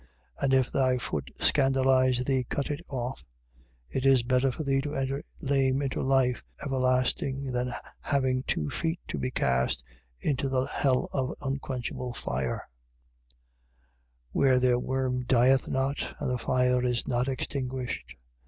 9:44. And if thy foot scandalize thee, cut it off: it is better for thee to enter lame into life everlasting than having two feet to be cast into the hell of unquenchable fire: 9:45. Where their worm dieth not, and the fire is not extinguished.